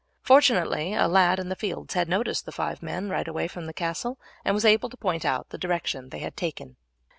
Fortunately a lad in the fields had noticed the five men ride away from the castle, and was able to point out the direction they had taken.